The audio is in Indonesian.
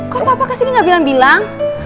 kau apa apa kesini gak bilang bilang